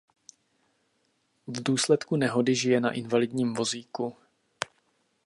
V důsledku nehody žije na invalidním vozíku.